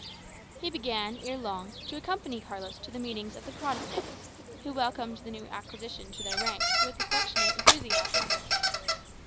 He began, ere long, to accompany Carlos to the meetings of the Protestants, who welcomed the new acquisition to their ranks with affectionate enthusiasm.